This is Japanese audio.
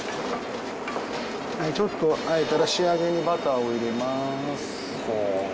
ちょっとあえたら仕上げにバターを入れます。